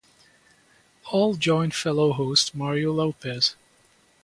All join fellow host Mario Lopez.